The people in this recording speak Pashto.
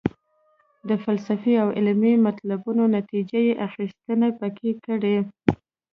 د فلسفي او علمي مطلبونو نتیجه یې اخیستنه پکې کړې.